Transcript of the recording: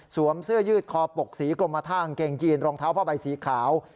เสื้อยืดคอปกสีกรมท่ากางเกงยีนรองเท้าผ้าใบสีขาว